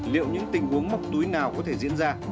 liệu những tình huống móc túi nào có thể diễn ra